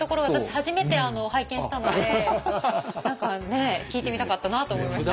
初めて拝見したので何かね聞いてみたかったなと思いましたけど。